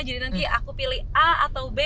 jadi nanti aku pilih a atau b